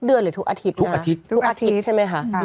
อืม